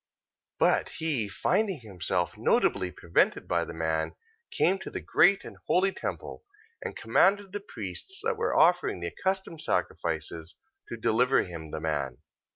14:31. But he finding himself notably prevented by the man, came to the great and holy temple: and commanded the priests that were offering the accustomed sacrifices, to deliver him the man.